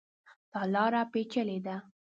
دا لاره پېچلې ده.